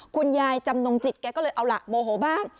คุณยายจำนงจิตแกก็เลยเอาล่ะโมโหบ้าง